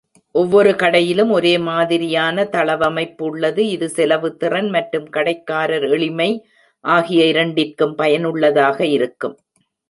ஒவ்வொரு கடையிலும் ஒரே மாதிரியான தளவமைப்பு உள்ளது, இது செலவு திறன் மற்றும் கடைக்காரர் எளிமை ஆகிய இரண்டிற்கும் பயனுள்ளதாக இருக்கும்.